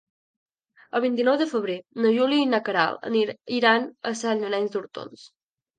El vint-i-nou de febrer na Júlia i na Queralt iran a Sant Llorenç d'Hortons.